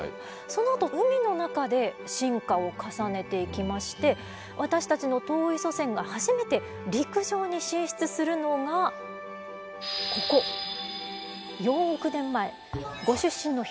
そのあと海の中で進化を重ねていきまして私たちの遠い祖先が初めて陸上に進出するのがここ４億年前ご出身の兵庫県辺りです。